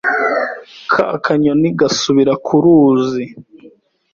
Ka kanyoni gasubira ku ruzi,